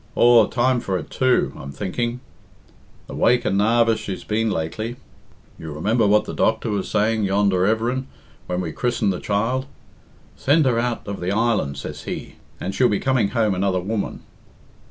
"Aw, time for it too, I'm thinking; the wake and narvous she's been lately. You remember what the doctor was saying yonder everin,' when we christened the child? 'Send her out of the island,' says he, 'and she'll be coming home another woman.'